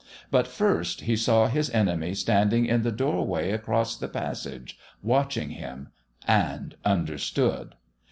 But first he saw his enemy standing in the doorway across the passage, watching him and understood.